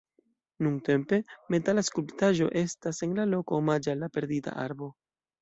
Nuntempe metala skulptaĵo estas en la loko omaĝe al la perdita arbo..